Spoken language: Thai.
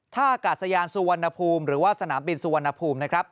ท่ากาศยานสุวรรณภูมิหรือว่าสนามบินสุวรรณภูมินะครับ